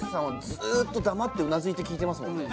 ずーっと黙ってうなずいて聞いてますもんね